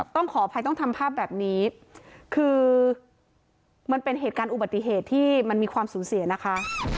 ขออภัยต้องทำภาพแบบนี้คือมันเป็นเหตุการณ์อุบัติเหตุที่มันมีความสูญเสียนะคะ